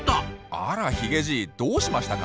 あらヒゲじいどうしましたか？